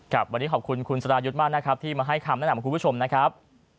วันนี้ขอบคุณคุณสรายุทธ์มากนะครับที่มาให้คำแนะนำของคุณผู้ชมนะครับ